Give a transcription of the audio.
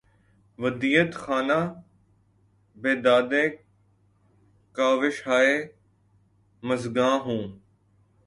ودیعت خانۂ بیدادِ کاوشہائے مژگاں ہوں